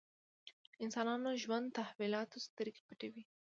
انسانانو ژوند تحولاتو سترګې پټوي.